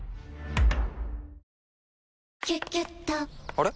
あれ？